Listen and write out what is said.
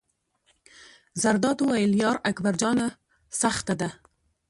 زرداد وویل: یار اکبر جانه سخته ده.